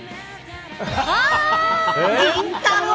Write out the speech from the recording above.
りんたろー。